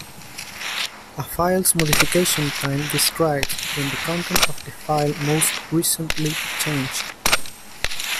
A file's modification time describes when the content of the file most recently changed.